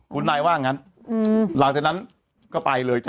คุณนายว่างั้นหลังจากนั้นก็ไปเลย